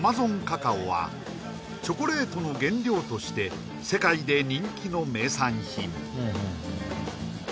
カカオはチョコレートの原料として世界で人気の名産品